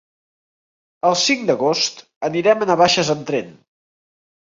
El cinc d'agost anirem a Navaixes amb tren.